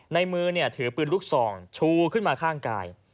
ในมือถือปืนลูกซองชูขึ้นมาข้างกาย